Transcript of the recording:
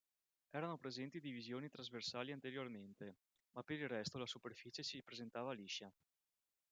Erano presenti divisioni trasversali anteriormente, ma per il resto la superficie si presentava liscia.